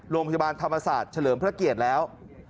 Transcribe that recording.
โรงพยาบาลธรรมศาสตร์เฉลิมพระเกียรติแล้ว